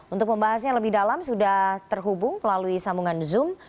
untuk membahasnya lebih dalam sudah terhubung melalui sambungan zoom